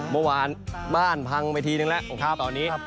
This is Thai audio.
มันบ้านพังประทานแล้วสตอนนี้